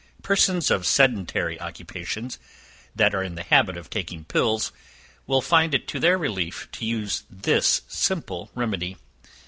Persons of sedentary occupations, that are in the habit of taking pills, will find it to their relief to use this simple remedy.